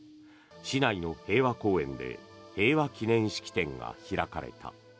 市内の平和公園で平和記念式典が開かれた。